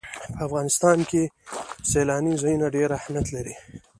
په افغانستان کې سیلانی ځایونه ډېر اهمیت لري.